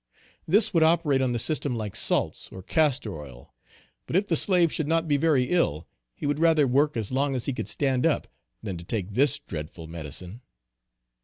This would operate on the system like salts, or castor oil. But if the slave should not be very ill, he would rather work as long as he could stand up, than to take this dreadful medicine.